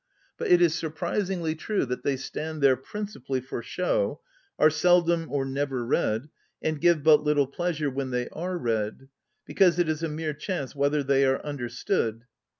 But it is surprisingly true that they stand there principally for show, are seldom or never read, and give but little pleasure when they are read, because it is a mere chance whether they are understood.